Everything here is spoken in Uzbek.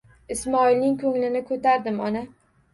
Ismoilning ko'nglini ko'tardim, ona.